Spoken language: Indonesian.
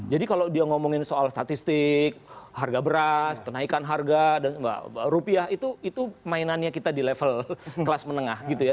jadi kalau dia ngomongin soal statistik harga beras kenaikan harga rupiah itu mainannya kita di level kelas menengah gitu ya